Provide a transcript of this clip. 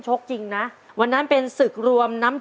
จิตตะสังวโรครับ